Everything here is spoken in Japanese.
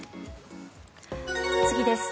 次です。